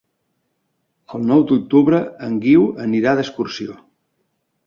El nou d'octubre en Guiu anirà d'excursió.